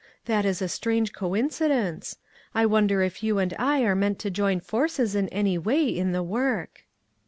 That is a strange co incidence. I wonder if you and I are meant to join forces in any way in the work?"